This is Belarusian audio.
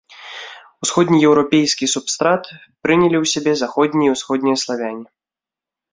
Усходнееўрапейскі субстрат прынялі ў сябе заходнія і ўсходнія славяне.